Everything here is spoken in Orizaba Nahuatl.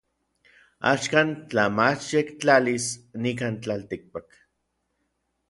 Axan tla machyektlalis nikan tlaltikpak.